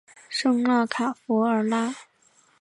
圣让卡弗尔拉。